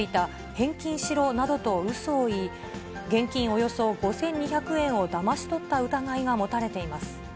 返金しろなどとうそを言い、現金およそ５２００円をだまし取った疑いが持たれています。